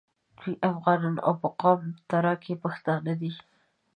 دوی افغانان او په قوم تره کي پښتانه دي.